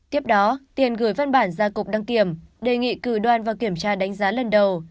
tiếp đó tiền gửi văn bản ra cục đăng kiểm đề nghị cử đoàn vào kiểm tra đánh giá lần đầu